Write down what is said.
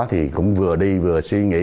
thì cũng vừa đi vừa suy nghĩ